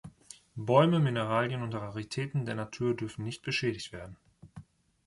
Bäume, Mineralien und Raritäten der Natur dürfen nicht beschädigt werden.